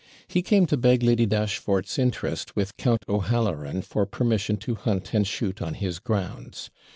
He came to beg Lady Dashfort's interest with Count O'Halloran, for permission to hunt and shoot on his grounds.